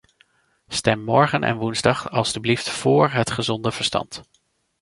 Stem morgen en woensdag alstublieft vóór het gezonde verstand.